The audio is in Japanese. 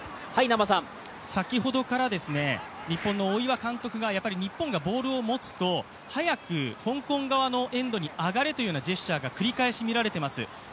先ほどから、日本の大岩監督が日本がボールを持つと早く香港側のエンドに上がれというようなジェスチャーが繰り返し見られていますｌ。